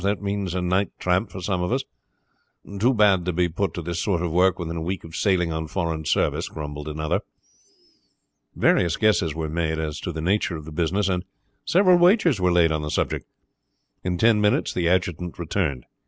That means a night's tramp for some of us. Too bad to be put to this sort of work within a week of sailing on foreign service," grumbled another. Various guesses were made as to the nature of the business, and several wagers were laid on the subject. In ten minutes the adjutant returned.